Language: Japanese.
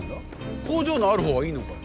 工場のある方はいいのかよ？